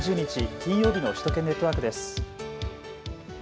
金曜日の首都圏ネットワークです。